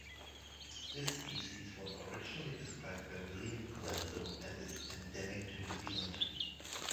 This species was originally described by William Colenso and is endemic to New Zealand.